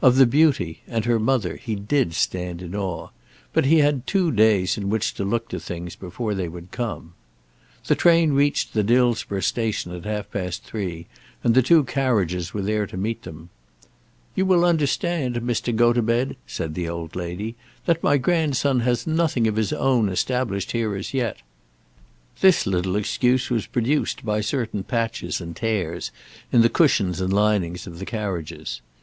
Of the beauty and her mother he did stand in awe; but he had two days in which to look to things before they would come. The train reached the Dillsborough Station at half past three, and the two carriages were there to meet them. "You will understand, Mr. Gotobed," said the old lady, "that my grandson has nothing of his own established here as yet." This little excuse was produced by certain patches and tears in the cushions and linings of the carriages. Mr.